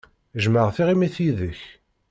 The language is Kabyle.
Jjmeɣ tiɣimit yid-k.